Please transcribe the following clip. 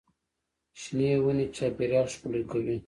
شنې ونې چاپېریال ښکلی کوي.